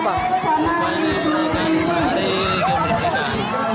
lomba ini merayakan hari kemuliaan